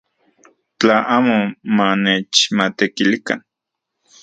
Tla amo manechmatekilikan.